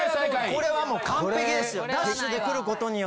これはもう完璧ですよ。